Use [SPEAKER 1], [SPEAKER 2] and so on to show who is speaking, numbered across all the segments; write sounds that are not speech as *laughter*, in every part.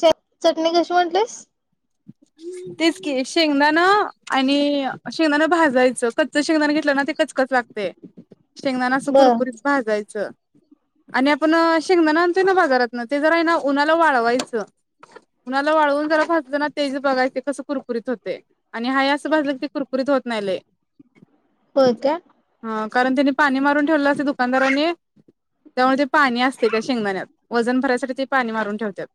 [SPEAKER 1] च चटणी कशी म्हटलीस
[SPEAKER 2] *inaudible* तेच की शेंगदाण आणि शेंगदाण भाजायचं कच्च शेंगदान घेतलं ना ते कचकच लागतं ते शेंगदान असं
[SPEAKER 1] बर
[SPEAKER 2] कुरकुरीत भाजायचं आणि आपण शेंगदाना आणतो ना बाजारातन ते जरा आहे ना उन्हाला वाळवायचं उन्हाळा वाळवून जरा भाजलं ना तेच बघायच ते कसं कुरकुरीत होतंय आणि हा असं भसलं की कुरकुरीत होत नाही लई
[SPEAKER 1] होय का
[SPEAKER 2] हा कारण त्यांनी पाणी मारून ठेवलेलं असतं दुकानदारांनी त्यामुळे ते पाणी असते त्या शेंगदाण्यात वजन भरायसाठी ते पाणी मारून ठेवत्यात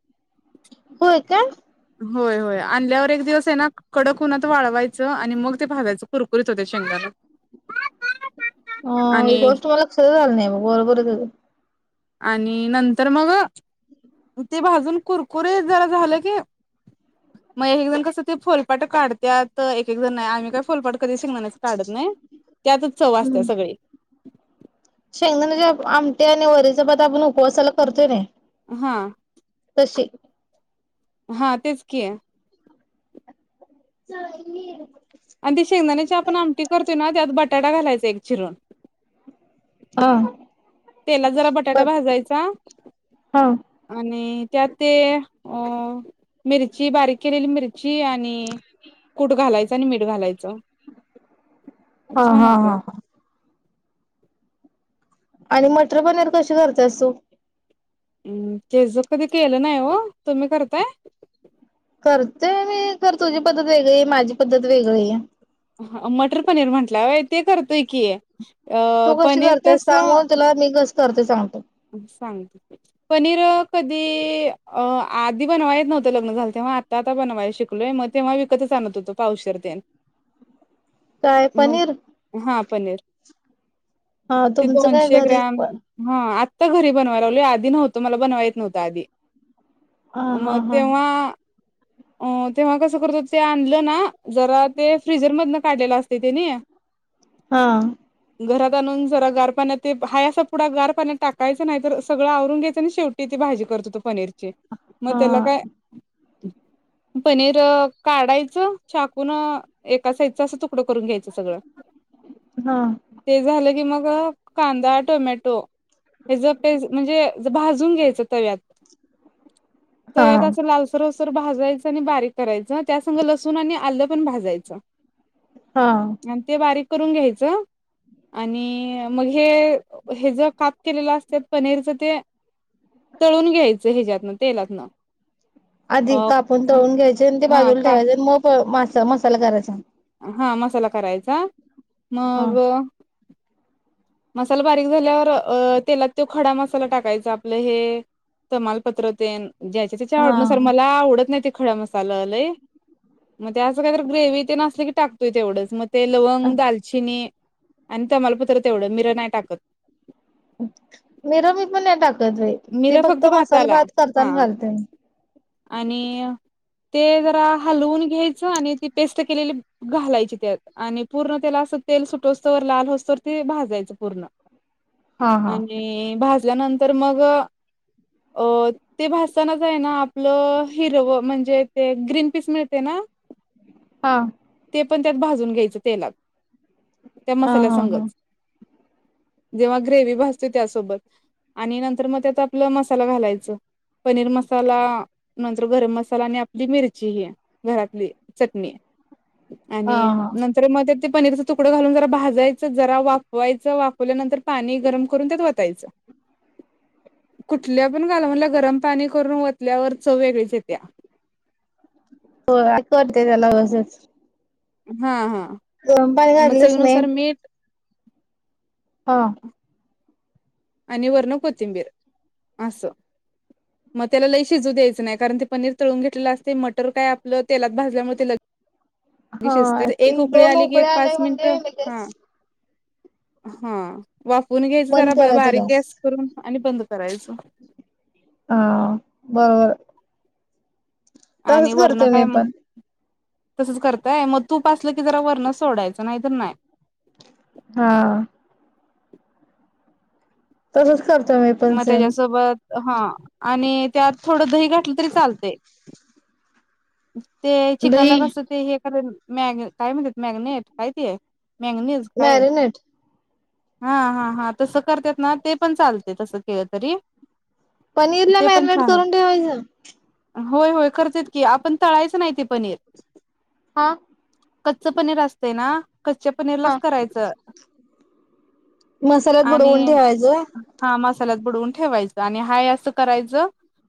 [SPEAKER 1] होय काय
[SPEAKER 2] होय होय आणल्यावर एक दिवस आहे ना कडक उन्हात वाळवायचं आणि मग ते भाजायचं कुरकुरीत होत शेंगदाण *unintelligible*
[SPEAKER 1] ह ही
[SPEAKER 2] आणि
[SPEAKER 1] गोष्ट मला लक्षातच झाली नाही *unintelligible*
[SPEAKER 2] आणि नंतर मग ते भाजून कुरकुरे जरा झालं की मग एक एक जण कसं ते फोलपाट काढत्यात एक एक जण नाही आम्ही काय फोलपाट कधी शेंगदाण्याचं काढत नाही त्यातच चव असत्या
[SPEAKER 1] हम्म
[SPEAKER 2] सगळी
[SPEAKER 1] शेंगदाण्याच्या आमटी आणि वरीचा भात आपण उपवासाला करतोय नाही
[SPEAKER 2] हा.
[SPEAKER 1] तशी.
[SPEAKER 2] हा तेच की आहे.
[SPEAKER 1] ह.
[SPEAKER 2] आणि ते शेंगदाण्याची आपण आमटी करतोय ना त्यात बटाटा घालायचा एक चिरून
[SPEAKER 1] ह
[SPEAKER 2] तेलात जरा बटाटा भाजायचा
[SPEAKER 1] हा
[SPEAKER 2] आणि त्यात ते अ मिरची बारीक केलेली मिरची आणि आणि कूट घालायच आणि मीठ घालायचं
[SPEAKER 1] हा
[SPEAKER 2] छान
[SPEAKER 1] हा
[SPEAKER 2] होतंय
[SPEAKER 1] हा आणि मटर पनीर कशी करतेस तू
[SPEAKER 2] हम् ते ज कधी केलं नाही हो तुम्ही करताय.
[SPEAKER 1] करतेय मी खर तुझी पद्धत वेगळी आहे माझी पद्धत वेगळी आहे.
[SPEAKER 2] ह मटर पनीर म्हंटल्यावर ते करतोय की. अ
[SPEAKER 1] तू कशी
[SPEAKER 2] पनीर
[SPEAKER 1] करतेस सांगून तुला मी कस करते सांगतो.
[SPEAKER 2] सांगित. पनीर कधी अ आधी बनवायच नव्हतं लग्न झालं तेव्हा आ. ता बनवाय शिकलोय मग तेव्हा विकतच आणत होतो पाऊशरतेन.
[SPEAKER 1] काय पनीर.
[SPEAKER 2] हा पनीर
[SPEAKER 1] हा
[SPEAKER 2] ते
[SPEAKER 1] तुमचं काय
[SPEAKER 2] दोनशे
[SPEAKER 1] घरीच
[SPEAKER 2] ग्रॅम.
[SPEAKER 1] पण
[SPEAKER 2] हा आत्ता घरी बनवाय लावले आधी नव्हतं मला बनवायच नव्हतं आधी.
[SPEAKER 1] हा हा
[SPEAKER 2] मग
[SPEAKER 1] हा
[SPEAKER 2] तेव्हा. अ तेव्हा कसं करतो ते आणलं ना जरा ते फ्रिजर मधन काढलेलं असते तेनी. *inaudible*
[SPEAKER 1] हा.
[SPEAKER 2] घरात आणून जरा गार पाण्या ते हा अस पुढा गार पाण्यात टाक. कायचं नाही तर सगळं आवरून घ्यायं ना शेवटी ती भाजी करत होतो पनीरची. मग त्याला
[SPEAKER 1] हा
[SPEAKER 2] काय. पनीर काढायचं चाकून. एका साइजच असं तुकडं करून घ्यायचं सगळं.
[SPEAKER 1] हां.
[SPEAKER 2] ते झालं की मग कांदा, टोमॅटो. हे ते म्हणजे भाजून घ्यायचं तव्यात
[SPEAKER 1] हा
[SPEAKER 2] तव्यात असं लाल. सरसर भाजायचं आणि बारीक करायच त्यासंग लसूण आणि आलं पण भाजायचं.
[SPEAKER 1] हां.
[SPEAKER 2] आणि ते बारीक करून घ्यायचं आणि मग हे हे ज काप. केले असत पनीरच ते तळून घ्यायचं ह्याच्यातन तेलातन.
[SPEAKER 1] आधी कापून तळून घ्यायचे आणि ते बाजूला
[SPEAKER 2] का
[SPEAKER 1] ठेवायचे मग मासा मसाला करायचा.
[SPEAKER 2] हा मसाला करायचा
[SPEAKER 1] हा
[SPEAKER 2] मग. मसाला बारीक झाल्यावर अ तेलात तो खडा मसाला टाकायचा आपलं हे. तमालपत्रतेन ज्याच्या त्याच्या आवडनुसार
[SPEAKER 1] हा.
[SPEAKER 2] मला आवडत नाही. खडा मसाला लय मग त्या असं काहीत ग्रेव्ही ते असले की टाकतोय तेवढं. त्या मग ते लवंग, दालचिनी आणि तमालपत्र तेवढं मिर नाही टाकत.
[SPEAKER 1] मिर मी पण नाही टाकत र ते
[SPEAKER 2] मिरं
[SPEAKER 1] फक्त मसाले
[SPEAKER 2] भाताला
[SPEAKER 1] भात करताना
[SPEAKER 2] हा
[SPEAKER 1] घालते.
[SPEAKER 2] आणि ते जरा हलवून घ्यायचं आणि ती पेस्ट केलेली घालायची त्यात आणि पूर्ण त्याला अस तेल सुटोसतवर अस ते लाल असतोवर ते भाजायचं पूर्ण.
[SPEAKER 1] हा हा.
[SPEAKER 2] आणि भाजल्यानंतर मग अ. ते भाजतानाच आहे ना आपलं हिरव म्हणजे ते ग्रीन पीस मिळते ना.
[SPEAKER 1] हा
[SPEAKER 2] ते पण त्यात भाजून घ्यायचं तेलात त्या
[SPEAKER 1] हा हा हा
[SPEAKER 2] मसाल्यासंगच. जेव्हा ग्रेव्ही भासते त्यासोबत आणि नंतर तर मग त्यात आपलं मसाला घालायचं. पनीर मसाला नंतर गरम मसाला आणि आपली मिरची ही घरातली चटणी
[SPEAKER 1] हा
[SPEAKER 2] आणि
[SPEAKER 1] हा
[SPEAKER 2] न तर मध्ये ते पनीरचा तुकडं घालून जरा भाजायचं जरा वाफवायचं वाफवल्यानंतर पाणी गरम करून त्यात घालायचं. कुठल्या पण घाल म्हटलं गरम पाणी करून वतल्यावर चव वेगळीच येत्या.
[SPEAKER 1] हो करते त्याला बसच.
[SPEAKER 2] हा हा
[SPEAKER 1] पाणी
[SPEAKER 2] मग
[SPEAKER 1] घातलीस नाही.
[SPEAKER 2] चवीनुसार मीठ.
[SPEAKER 1] हां.
[SPEAKER 2] आणि वरण कोथिंबीर असं. मग त्याला लई शिजू द्यायचं नाही कारण ते पनीर तळून घेतलेलं असते मटर काय आपलं तेलात भाजल्यामुळे ते लग.
[SPEAKER 1] हा
[SPEAKER 2] शिजत
[SPEAKER 1] ती
[SPEAKER 2] एक उकळी
[SPEAKER 1] दोन
[SPEAKER 2] आली की एक
[SPEAKER 1] उकळ्या
[SPEAKER 2] पाच
[SPEAKER 1] आल्या
[SPEAKER 2] मिनट
[SPEAKER 1] म्हणजे
[SPEAKER 2] हा
[SPEAKER 1] लगेच
[SPEAKER 2] हा वाफून घ्यायच
[SPEAKER 1] बंद
[SPEAKER 2] जरा
[SPEAKER 1] करायचा
[SPEAKER 2] बारीक
[SPEAKER 1] गॅस.
[SPEAKER 2] गॅस करून आणि बंद करायचं.
[SPEAKER 1] हा बरोबर
[SPEAKER 2] आणि
[SPEAKER 1] तसच
[SPEAKER 2] वरण
[SPEAKER 1] करते
[SPEAKER 2] काय
[SPEAKER 1] मी
[SPEAKER 2] मग
[SPEAKER 1] पण.
[SPEAKER 2] तसंच करताय मग तूप असलं की जरा वरण सोडायचं नाही तर नाही.
[SPEAKER 1] हां तसंच करतो मी. पण
[SPEAKER 2] मग
[SPEAKER 1] सेम.
[SPEAKER 2] त्याच्यासोबत हा आणि त्यात थोडं दही घातलं तरी चालतय. ते चिकनला
[SPEAKER 1] दही
[SPEAKER 2] कस ते हे कर मॅगने काय म्हणत मॅगनेट कायती मॅगनेज
[SPEAKER 1] मॅरिनेट.
[SPEAKER 2] हा हा हां तसं करतात ना ते पण चालते तसं केलं तरी.
[SPEAKER 1] पनीर ला
[SPEAKER 2] ते पण
[SPEAKER 1] मॅरिनेट
[SPEAKER 2] छान होत
[SPEAKER 1] करून ठेवायच?
[SPEAKER 2] होय होय करतेत की आपण तळायचं नाही ते पनीर.
[SPEAKER 1] हां
[SPEAKER 2] कच्च पनीर असते ना कच्च्या पनीरलाच
[SPEAKER 1] हा.
[SPEAKER 2] करायचं
[SPEAKER 1] मसाल्यात बुडवून
[SPEAKER 2] आणि
[SPEAKER 1] ठेवायचं होय.
[SPEAKER 2] हा मसाल्यात बुडवून ठेवायचं, आणि हा असं करायचं,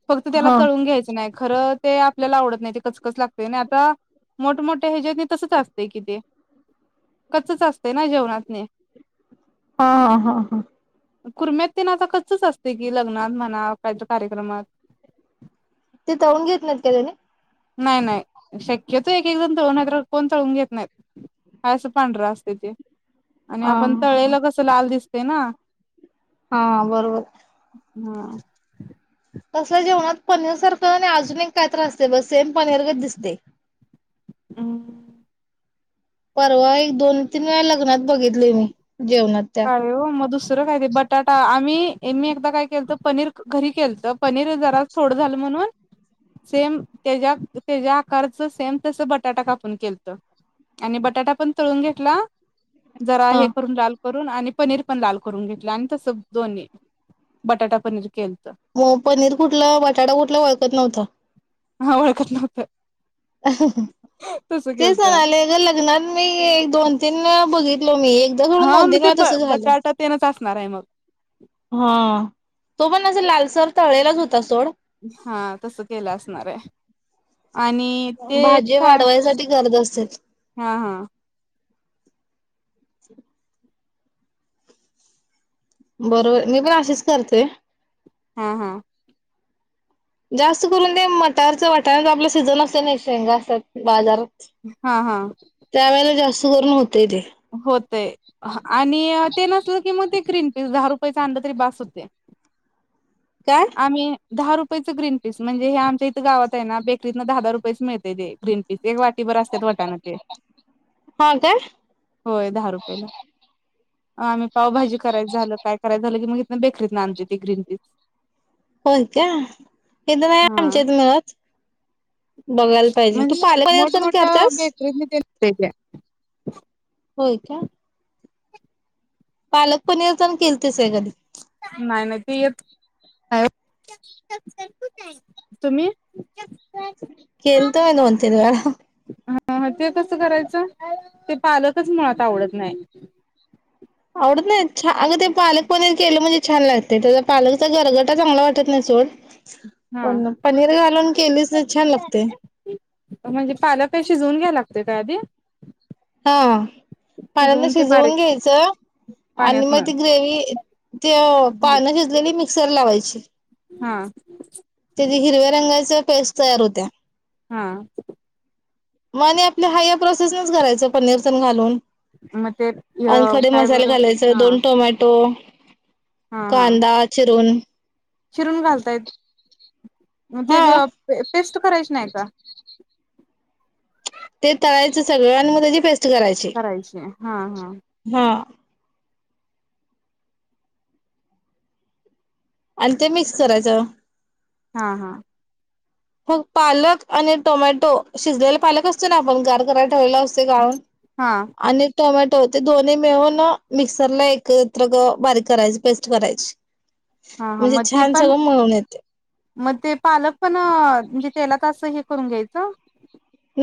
[SPEAKER 2] फक्त त्याला
[SPEAKER 1] हा
[SPEAKER 2] तळून घ्यायचं नाही. खरं ते आपल्याला आवडत नाही. कचकच लागते आणि आता मोठमोठ्या ह्याच्यात नाही तसंच असतेय कि ते कच असते ना जेवणातने
[SPEAKER 1] हा हा हा हा.
[SPEAKER 2] कुरम्यात ते ना आता कच असते की लग्नात म्हणा का कार्यक्रमात
[SPEAKER 1] ते तऊून घेतत त्यालाने
[SPEAKER 2] नाही नाही शक्यतो एक एक जण तळून तर कोण तळून घेत नाहीत. अस असं पांढरा असते ते आणि
[SPEAKER 1] हा
[SPEAKER 2] आपण
[SPEAKER 1] हा हा.
[SPEAKER 2] तळेल कसं लाल दिसते ना.
[SPEAKER 1] हा बरोबर
[SPEAKER 2] हा.
[SPEAKER 1] तसल्या जेवणात पनीर सारखं आणि अजून एक काय त्रास असते बस सेम पनीरगच दिसते.
[SPEAKER 2] ह.
[SPEAKER 1] परवा एक दोन तीन वेळा लग्नात बघितली मी जेवणात त्या
[SPEAKER 2] काय हो मग दुसरं काय ते बटाटा आम्ही मी एकदा काय केलत पनीर घरी केलत पनीर झाल्यात. थोड झालं म्हणून सेम त्याच्या त्याच्या आकारच सेम तस बटाटा कापून केलत. आणि बटाटा पण तळून घेतला जरा
[SPEAKER 1] हा.
[SPEAKER 2] हे करून ला करून आणि पनीर पण लाल करून घेतलं आणि तस दोन्ही बटाटा पनीर केल तर
[SPEAKER 1] मग पनीर कुठला बटाटा कुठला ओळखत नव्हता.
[SPEAKER 2] हा ळखत नवत
[SPEAKER 1] ते
[SPEAKER 2] केलत
[SPEAKER 1] सणाले ग लग्न मी एक दोन त्यां बघितलं मी एकदा घडून
[SPEAKER 2] हा मग
[SPEAKER 1] नोंदिणी
[SPEAKER 2] ते ब
[SPEAKER 1] मात असं झालं.
[SPEAKER 2] बटाटा तेनच असणार आहे मग
[SPEAKER 1] हा तो पण असं लालसर तळेलाच होता सोड.
[SPEAKER 2] हा तस केलं असणार आहे आणि ते
[SPEAKER 1] भाजी
[SPEAKER 2] काय
[SPEAKER 1] वाढवायसाठी गरज असेल.
[SPEAKER 2] हा हा.
[SPEAKER 1] बरोबर मी पण अशीच करते.
[SPEAKER 2] हा हा.
[SPEAKER 1] जास्त करून ते मटारच वाटाण्याचा आपला सीझन असते नाही शेंगा असतात बाजारात.
[SPEAKER 2] हा हा.
[SPEAKER 1] त्या वेळेला जास्त करून होते ते
[SPEAKER 2] होत आणि ते नसलं की मग ते क्रीन पीस दहा रुपयाचा अंड तरी बास होते.
[SPEAKER 1] काय?
[SPEAKER 2] आम्ही दहा रुपयेच ग्रीन पीस म्हणजे हे आमच्या इथं गावात आहे बेकरीतं दहा दहा रुपये मिळते तेे ग्रीनस इ एक वाटी बर असतात वाटाण ते
[SPEAKER 1] हा काय
[SPEAKER 2] होय दहा रुपयेला. आम्ही पावभजी करायच झाल, काय करायच झाल की मग, बेकरीत ना आणते ती ग्रीन पीस
[SPEAKER 1] हो का. हे तर नाही
[SPEAKER 2] हा
[SPEAKER 1] आमच्यात मिळत बघायला पाहिजे तू
[SPEAKER 2] म्हणजे
[SPEAKER 1] फले परर् पण
[SPEAKER 2] मोठमोठ्या
[SPEAKER 1] करतेस.
[SPEAKER 2] *unintelligible*
[SPEAKER 1] होय का. पालक पनीर पण केल तेस का कधी
[SPEAKER 2] नाही नाहीती य तुम्ही
[SPEAKER 1] केलत *unintelligible* वलवतीन वला
[SPEAKER 2] ह ते कसं करायचं ते पालकच मुळात आवडत नाही.
[SPEAKER 1] आवडत नाही छ अगं ते पालक पनीर केलं म्हणजे छान लागते त्याचा पालकचा घरगटा चांगला वाटत नाही सोड
[SPEAKER 2] हा
[SPEAKER 1] हो पनीर घालून केलीच छान लागते.
[SPEAKER 2] म्हणजे पालके शिजवून घ्याय लागतय काय आधी *unintelligible*
[SPEAKER 1] हा पानंद
[SPEAKER 2] ते बारीक
[SPEAKER 1] शिजवून घ्यायचं *unintelligible* आणि
[SPEAKER 2] पाण्यातन
[SPEAKER 1] मग ती ग्रेवी ते पानं शिजलेली मिक्सर लावायची *unintelligible*
[SPEAKER 2] हा
[SPEAKER 1] त्याथ हिरव्या रंगाच्या पेस्ट तयार होत्या
[SPEAKER 2] हा
[SPEAKER 1] मग आणि आपल्या हा या प्रोसेस नच करायचं पनीर पण घालून
[SPEAKER 2] मग ते
[SPEAKER 1] *unintelligible* आणि
[SPEAKER 2] अ
[SPEAKER 1] खडे
[SPEAKER 2] काय
[SPEAKER 1] मसाला
[SPEAKER 2] बरं
[SPEAKER 1] घालायच
[SPEAKER 2] हा
[SPEAKER 1] दोन टोमॅटो
[SPEAKER 2] हा
[SPEAKER 1] *unintelligible*
[SPEAKER 2] हा
[SPEAKER 1] कांदा चिरून
[SPEAKER 2] चिरून घालतायत मग
[SPEAKER 1] हा
[SPEAKER 2] ते पेस्ट करायची नाही का *unintelligible*
[SPEAKER 1] ते ताळायचं सगळं आणि मग त्या
[SPEAKER 2] करायची हा हा
[SPEAKER 1] हा आणि ते मिक्स करायचं
[SPEAKER 2] हा हा
[SPEAKER 1] होग पालक आणि टोमॅटो शिजलेला पालक असतो ना आपण गार करायला ठेवालेला असतो *unintelligible* अस गाऊून
[SPEAKER 2] हा
[SPEAKER 1] आणि टोमॅटो ते दोन्ही मिळून मिक्सरला एकत्र बारीक करायची पेस्ट करायची *unintelligible*
[SPEAKER 2] हा हा
[SPEAKER 1] म्हणजे
[SPEAKER 2] मग ते
[SPEAKER 1] छान
[SPEAKER 2] पण
[SPEAKER 1] सगळं मिळून येते
[SPEAKER 2] मग ते पालक पण म्हणजे त्याला त असं हे करून घ्यायचं *unintelligible*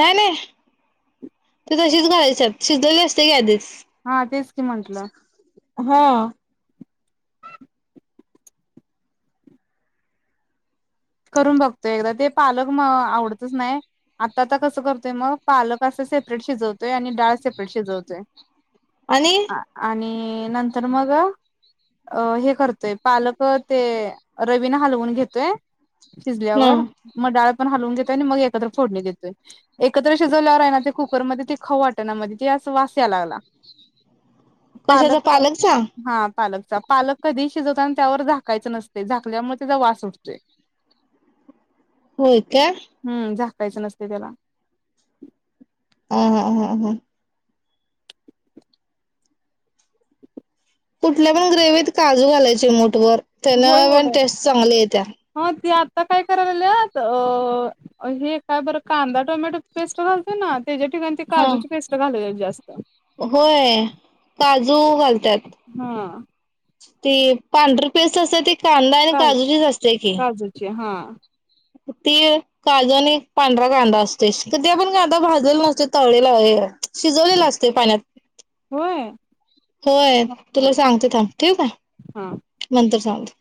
[SPEAKER 1] नाही नाही ते तशीच घालायच्यात शिजवली असते की आधीच
[SPEAKER 2] हा तेच की म्हंटलं
[SPEAKER 1] *unintelligible* हा
[SPEAKER 2] करून बघतो एकदा ते पालक म आवडतच नाही *unintelligible* आता आता कसं करतोय मग पालक असं सेपरेट शिजवतोय आणि डाळ सेपरेट शिजवतोय. *unintelligible* *unintelligible*
[SPEAKER 1] आणि.
[SPEAKER 2] आणि नंतर मग अ हे करतोय पालक ते रवीन हलवून घेतोय *unintelligible*
[SPEAKER 1] ह
[SPEAKER 2] शिजल्यावर मग डाळ पण हलवून घेतोय आणि मग एकत्र फोडणी देतोय *unintelligible* एकत्र शिजल्यावर राहि ना ते कुकरमध्येध्ये ते खवाटणामध्ये ते वास लागला *unintelligible*
[SPEAKER 1] कशाचा
[SPEAKER 2] पालक
[SPEAKER 1] पालकचा
[SPEAKER 2] हा पालकचा पालक कधी शिजवत आणि त्यावर झाकायचं नसते झाकल्यामुळे त्याचा वास सुठतो *unintelligible*
[SPEAKER 1] होय का
[SPEAKER 2] हम् झाकायचं नसते त्याला.
[SPEAKER 1] ह हा हां. कुठल्या पण ग्रेवीत काजू घालायचे मोठवरर त्यान पण टेस्ट चांगली आहे त्या *unintelligible*
[SPEAKER 2] हो ते आता काय करायत अ अ हे काय बरं कांदा टोमॅटो पेस्ट घालतो ना त्याच्या ठिकाणी. *unintelligible*
[SPEAKER 1] हा
[SPEAKER 2] काजूची पेस्ट घाल जास्त.
[SPEAKER 1] होय
[SPEAKER 2] *unintelligible*
[SPEAKER 1] काजू घालत्यात.
[SPEAKER 2] हा.
[SPEAKER 1] ती पांढर पेस्ट असत ते ती कांदा आणि
[SPEAKER 2] का
[SPEAKER 1] काजूचीच असते की. *unintelligible*
[SPEAKER 2] काजूची हा.
[SPEAKER 1] ती काजू आणि पांढरा कांदा असतेस कधी आपण कांदा भाजला नसते तळेला हे. *unintelligible* शिजवलेला असते पाण्यात.
[SPEAKER 2] होय
[SPEAKER 1] होय
[SPEAKER 2] हा
[SPEAKER 1] तुला सांगते थांब ठीक
[SPEAKER 2] हा
[SPEAKER 1] आहे नंतर सांगते. *unintelligible*